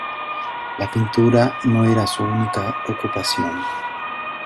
La pintura no era su única ocupación.